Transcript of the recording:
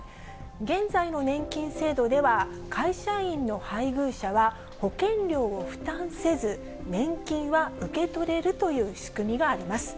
現在の年金制度では、会社員の配偶者は保険料を負担せず、年金は受け取れるという仕組みがあります。